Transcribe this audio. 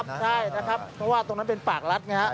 เพราะว่าตรงนั้นเป็นปากรัส